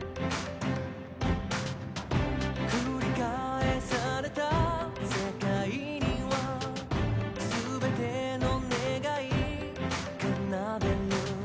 繰り返された世界には全ての願い奏でる